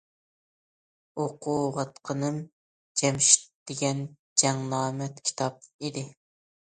ئوقۇۋاتقىنىم« جەمشىت» دېگەن جەڭنامە كىتاب ئىدى.